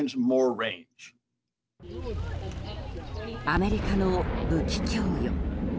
アメリカ武器供与。